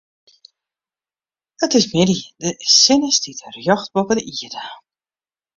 It is middei, de sinne stiet rjocht boppe de ierde.